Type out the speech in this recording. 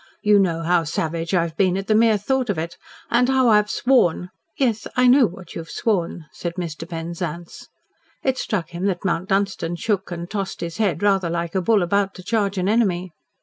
You know how savage I have been at the mere thought of it. And how I have sworn " "Yes, I know what you have sworn," said Mr. Penzance. It struck him that Mount Dunstan shook and tossed his head rather like a bull about to charge an enemy.